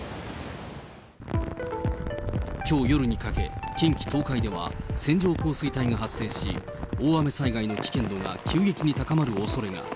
きょう夜にかけ、近畿、東海では、線状降水帯が発生し、大雨災害の危険度が急激に高まるおそれが。